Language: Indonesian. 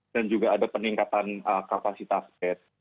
dan juga ada peningkatan kapasitas bed